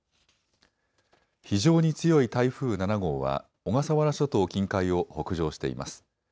非常に強い台風７号は小笠原諸島近海を北上しています。